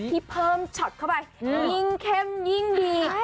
ที่เพิ่มช็อตเข้าไปยิ่งเข้มยิ่งดี